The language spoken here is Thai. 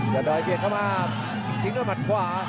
เจ้าดอยเบียดเข้ามาทิ้งด้วยบัตรขวา